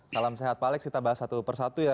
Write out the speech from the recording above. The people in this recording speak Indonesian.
salam sehat pak alex kita bahas satu persatu ya